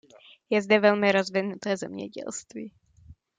Je zde velmi rozvinuté zemědělství.